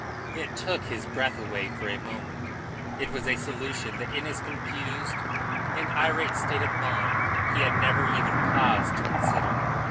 It took his breath away for a moment. It was a solution that in his confused and irate state of mind he had never even paused to consider.